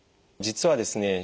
実はですね